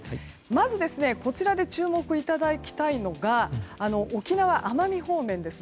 まず、こちらで注目いただきたいのが沖縄、奄美方面です。